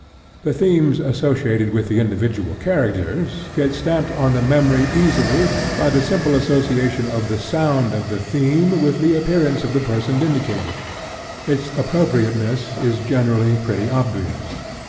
The themes associated with the individual characters get stamped on the memory easily by the simple association of the sound of the theme with the appearance of the person indicated. Its appropriateness is generally pretty obvious.